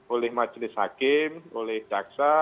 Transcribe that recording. oleh majelis hakim oleh jaksa